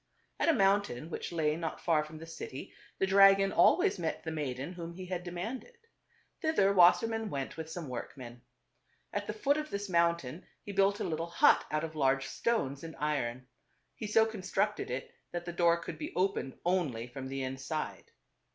At a mountain which lay not far from the city, the dragon always met the maiden whom he had 300 TWO BROTHERS. demanded. Thither "VVassermann went with some workmen. At the foot of this mountain he built a little hut out of large stones and iron. He so constructed it that the door could be opened only from the inside.